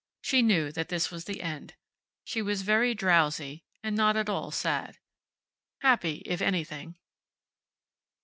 She knew that this was the end. She was very drowsy, and not at all sad. Happy, if anything.